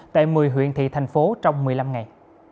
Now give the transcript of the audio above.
tại một mươi huyện thị thành phố trong một mươi năm ngày